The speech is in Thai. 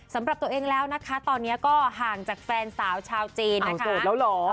สำหรับตัวเองแล้วนะคะตอนนี้ก็ห่างจากแฟนสาวชาวจีนนะคะ